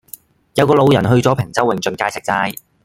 有個老人去左坪洲永俊街食齋